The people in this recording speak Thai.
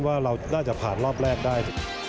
ว่าเราน่าจะผ่านรอบแรกได้